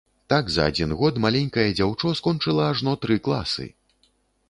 Так за адзін год маленькае дзяўчо скончыла ажно тры класы!